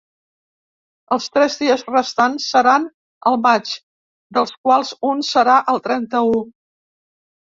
Els tres dies restants seran al maig, dels quals un serà el trenta-u.